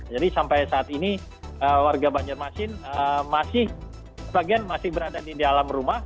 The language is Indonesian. jadi sampai saat ini warga banjarmasin masih berada di dalam rumah